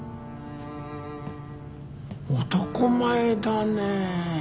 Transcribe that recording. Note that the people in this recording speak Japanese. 男前だね。